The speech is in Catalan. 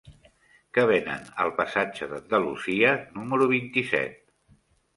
Què venen al passatge d'Andalusia número vint-i-set?